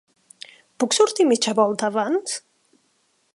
Puc sortir mitja volta abans?